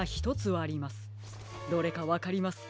どれかわかりますか？